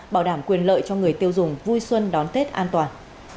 bảo đảm quyền lợi cho người tiêu dùng vui xuân đón tết an toàn